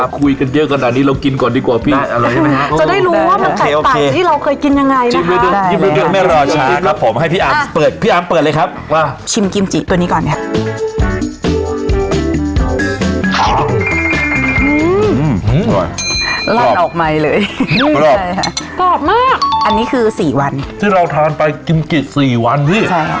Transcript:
คุยกันเยอะกว่านี้เรากินก่อนดีกว่าพี่ได้อร่อยใช่ไหมฮะจะได้รู้ว่ามันต่างต่าง